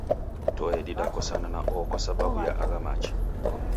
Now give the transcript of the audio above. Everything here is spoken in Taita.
Toe didakosana na oho kwasababu ya agha machi